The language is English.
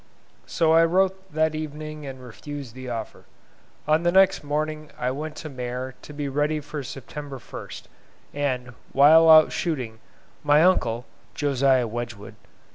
So I wrote that evening and refused the offer. On the next morning I went to Maer to be ready for September 1st, and, whilst out shooting, my uncle (Josiah Wedgwood.)